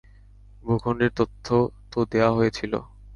ভূখণ্ডের তথ্য তো দেয়া হয়েছিল।